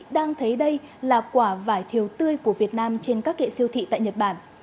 đang thấy đây là quả vải thiều tươi của việt nam trên các kệ siêu thị tại nhật bản